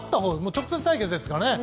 直接対決ですからね。